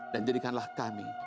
dan jadikanlah kami